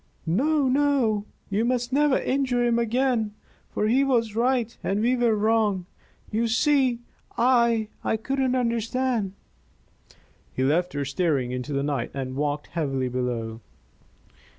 "No, no, you must never injure him again, for he was right and we were wrong. You see I couldn't understand." He left her staring into the night, and walked heavily below.